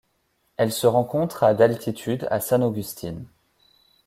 Elle se rencontre à d'altitude à San Augustín.